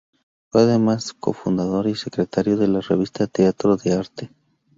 Fue además cofundador y secretario de la revista Teatro de Arte.